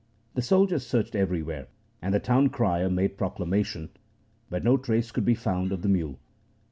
The soldiers searched everywhere, and the town crier made proclamation, but no trace could be found of the mule.